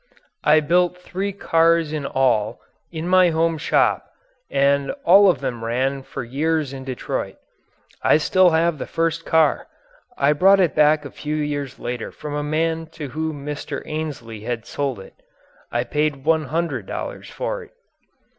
I built three cars in all in my home shop and all of them ran for years in Detroit. I still have the first car; I bought it back a few years later from a man to whom Mr. Ainsley had sold it. I paid one hundred dollars for it.